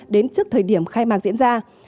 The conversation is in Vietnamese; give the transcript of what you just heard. đến trước thời điểm khai mạc diễn ra